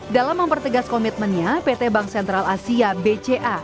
dalam mempertegas komitmennya pt bank sentral asia bca